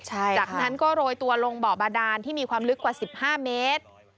จากนั้นก็โรยตัวลงบ่อบาดานที่มีความลึกกว่า๑๕เมตร